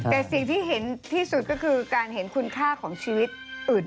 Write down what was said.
แต่สิ่งที่เห็นที่สุดก็คือการเห็นคุณค่าของชีวิตอื่น